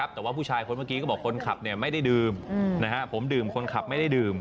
แต่ว่าผู้ชายเมื่อกี้แบบผมเห็นคนขับไม่ได้ดื่ม